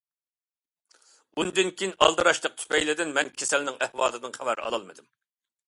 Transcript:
ئۇندىن كىيىن ئالدىراشلىق تۈپەيلىدىن مەن كېسەلنىڭ ئەھۋالىدىن خەۋەر ئالالمىدىم.